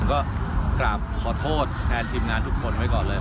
ก็กราบขอโทษแทนทีมงานทุกคนไว้ก่อนเลย